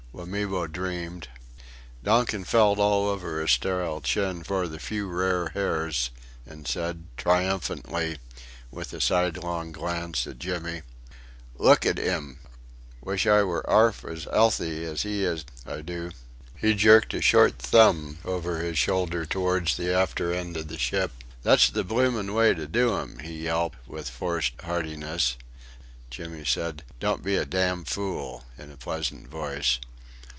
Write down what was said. Wamibo dreamed.... Donkin felt all over his sterile chin for the few rare hairs, and said, triumphantly, with a sidelong glance at Jimmy: "Look at 'im! Wish I was 'arf has 'ealthy as 'ee is I do." He jerked a short thumb over his shoulder towards the after end of the ship. "That's the blooming way to do 'em!" he yelped, with forced heartiness. Jimmy said: "Don't be a dam' fool," in a pleasant voice.